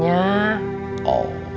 bubaran sama aon katanya